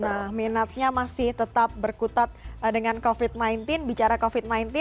nah minatnya masih tetap berkutat dengan covid sembilan belas bicara covid sembilan belas